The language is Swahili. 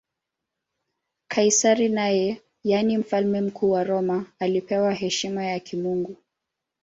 Kaisari naye, yaani Mfalme Mkuu wa Roma, alipewa heshima ya kimungu.